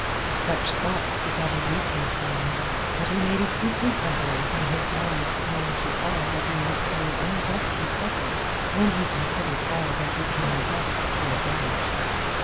Such thoughts begot a weakness in him; but he made a quick recovery when his mind swung to all that he had so unjustly suffered, when he considered all that he came thus to avenge.